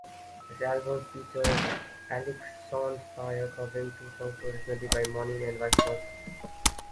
This album featured Alexisonfire covering two songs originally by Moneen and vice versa.